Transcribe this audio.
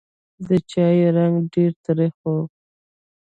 د چای رنګ ډېر تریخ و.